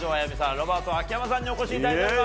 ロバート秋山さんにお越しいただいています。